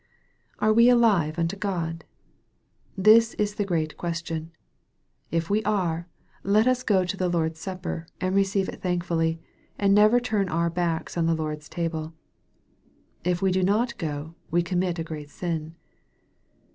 Are we alive unto God ? This is the great question. If we are, let us go to the Lord's supper, and receive it thankfully, and never turn our backs on the Lord's table. If we do not go r we commit a great sin.